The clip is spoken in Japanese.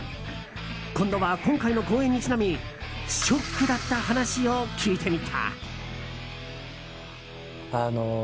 今度は今回の公演にちなみショックだった話を聞いてみた。